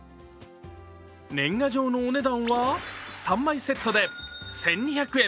年賀状のお値段は３枚セットで１２００円。